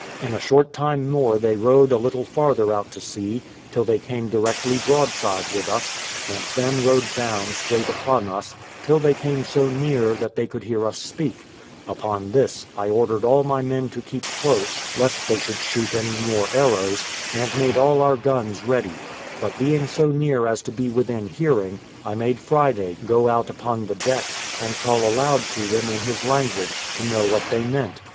In a short time more they rowed a little farther out to sea, till they came directly broadside with us, and then rowed down straight upon us, till they came so near that they could hear us speak; upon this, I ordered all my men to keep close, lest they should shoot any more arrows, and made all our guns ready; but being so near as to be within hearing, I made Friday go out upon the deck, and call out aloud to them in his language, to know what they meant.